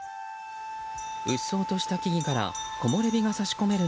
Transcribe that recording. うっそうとした木々から木漏れ日が差し込める